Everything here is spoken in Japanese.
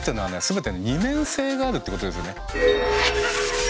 全て二面性があるってことですよね。